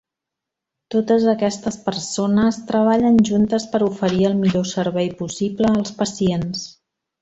Totes aquestes persones treballen juntes per oferir el millor servei possible als pacients.